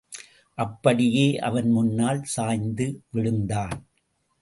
அப்படியே அவன் முன்னால் சாய்ந்து விழுந்தான்.